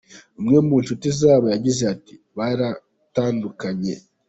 Umwe mu nshuti zabo yagize ati “Baratandukanye.